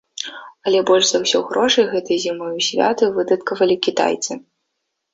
Але больш за ўсё грошай гэтай зімой у святы выдаткавалі кітайцы.